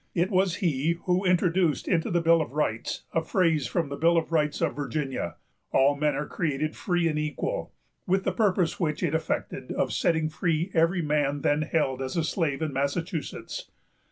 It was he who introduced into the Bill of Rights a phrase from the Bill of Rights of Virginia, "All men are created free and equal," with the purpose which it effected of setting free every man then held as a slave in Massachusetts.